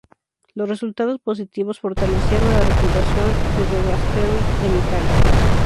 Los resultados positivos fortalecieron la reputación de De Gasperi en Italia.